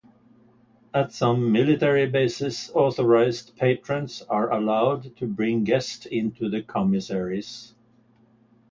At some military bases authorized patrons are allowed to bring guest into the commissaries.